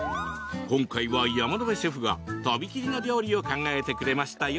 今回は山野辺シェフがとびきりの料理を考えてくれましたよ。